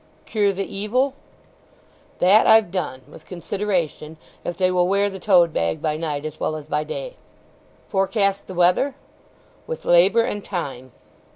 "Cure the evil?" "That I've done—with consideration—if they will wear the toad bag by night as well as by day." "Forecast the weather?" "With labour and time."